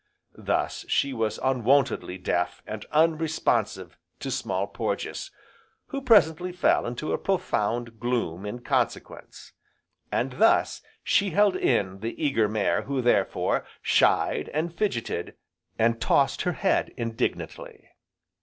Thus, she was unwontedly deaf and unresponsive to Small Porges, who presently fell into a profound gloom, in consequence; and thus, she held in the eager mare who therefore, shied, and fidgeted, and tossed her head indignantly.